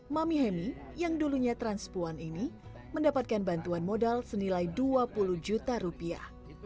mami hemi yang dulunya transpuan ini mendapatkan bantuan modal senilai dua puluh juta rupiah